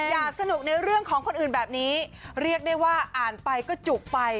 สนุกในเรื่องของคนอื่นแบบนี้เรียกได้ว่าอ่านไปก็จุกไป